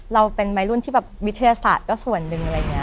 เราเป็นไม้รุ่นวิทยาศาสตร์ก็ส่วนหนึ่ง